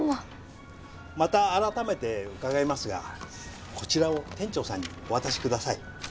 また改めて伺いますがこちらを店長さんにお渡しください。